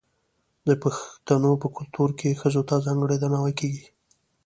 د پښتنو په کلتور کې ښځو ته ځانګړی درناوی کیږي.